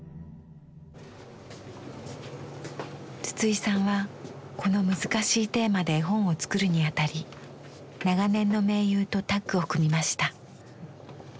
筒井さんはこの難しいテーマで絵本を作るにあたり長年の盟友とタッグを組みました。